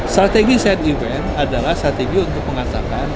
strategi side event adalah strategi untuk mengatakan